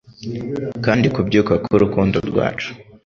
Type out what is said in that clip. Kandi kubyuka k'urukundo rwacu